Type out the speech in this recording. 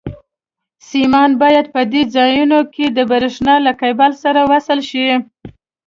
سیمان باید په دې ځایونو کې د برېښنا له کېبل سره وصل شي.